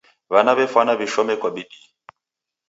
W'ana w'efwana w'ishome kwa bidii.